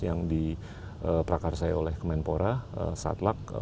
yang di prakarsai oleh kemenpora satlak